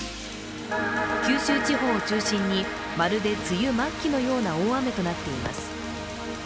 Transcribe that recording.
九州地方を中心にまるで梅雨末期のような大雨となっています。